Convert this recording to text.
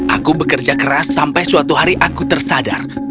aku bekerja keras sampai suatu hari aku tersadar